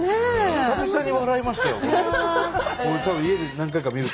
久々に笑いましたよ。